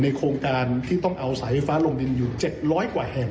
ในโครงการที่ต้องเอาสายไฟไฟลงดินอยู่เจ็ดร้อยกว่าแห่ง